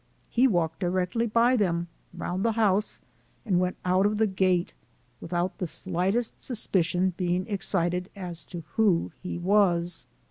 He walked directly by them round the house, and went out of the gate, without the slightest sus picion being excited as to who he was.